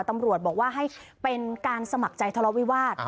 ตำรวจบอกว่าให้เป็นการสมัครใจทะเลาวิวาส